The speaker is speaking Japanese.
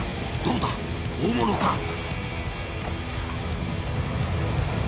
どうだ大物か？